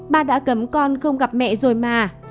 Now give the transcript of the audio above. ba đã cấm con không gặp mẹ rồi mà